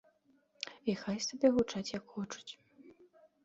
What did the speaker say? І хай сабе гучаць як хочуць.